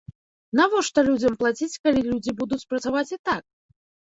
Навошта людзям плаціць, калі людзі будуць працаваць і так?